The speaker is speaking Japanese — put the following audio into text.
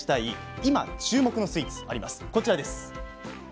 今注目のスイーツがあります。